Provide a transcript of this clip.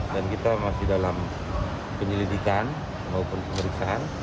dan kita masih dalam penyelidikan maupun pemeriksaan